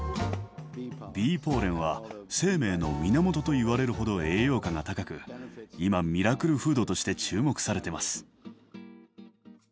ビーポーレンは生命の源といわれるほど栄養価が高く今ミラクルフードとして注目されてます。